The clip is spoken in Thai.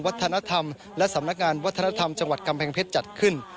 วัฒนธรรมและสำนักงานวัฒนธรรมจังหวัดกำแพงเพชรจัดขึ้น